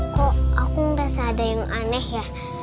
kok aku ngerasa ada yang aneh ya